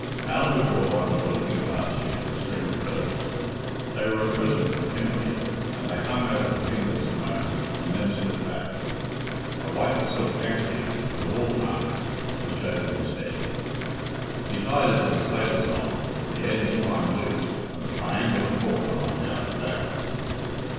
Out of a drawer under the looking glass she took a string of pearls. They were a present from Kimberley, and they hung over her fingers a moment and then slipped back. A white silk handkerchief, with a watermark, was chosen instead. She tied it in a sailor's knot, with the ends flying loose, and the triangular corner lying down her back.